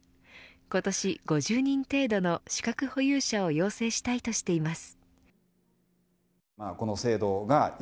今年５０人程度の資格保有者を養成したいとしています。